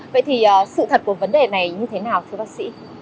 vậy thì sự thật của vấn đề này như thế nào thưa bác sĩ